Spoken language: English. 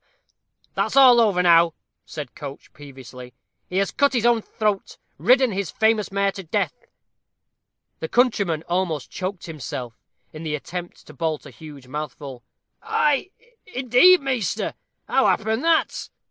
"That's all over now," said Coates, peevishly. "He has cut his own throat ridden his famous mare to death." The countryman almost choked himself, in the attempt to bolt a huge mouthful. "Ay indeed, measter! How happened that?"